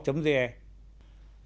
nhưng chỉ sau thời gian ngắn